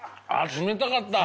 冷たかったね。